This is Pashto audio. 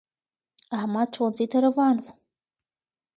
احمد ښونځی تا روان وو